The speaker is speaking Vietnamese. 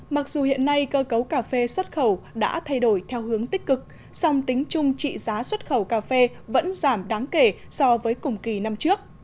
mặc dù hiện nay cơ cấu cà phê xuất khẩu đã thay đổi theo hướng tích cực song tính chung trị giá xuất khẩu cà phê vẫn giảm đáng kể so với cùng kỳ năm trước